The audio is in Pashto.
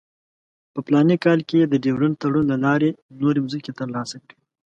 په فلاني کال کې یې د ډیورنډ تړون له لارې نورې مځکې ترلاسه کړې.